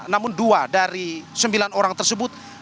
namun dua dari sembilan orang tersebut